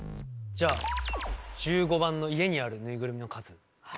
じゃあ１５番の私の家にあるぬいぐるみの数は。